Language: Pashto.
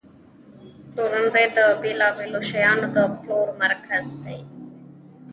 پلورنځی د بیلابیلو شیانو د پلور مرکز دی.